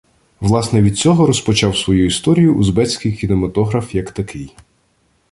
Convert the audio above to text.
Власне від цього розпочав свою історію узбецький кінематограф як такий.